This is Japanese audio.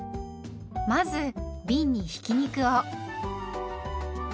まずびんにひき肉を。